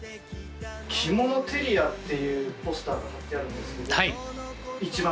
きものテリアっていうポスターが貼ってあるんですけど一番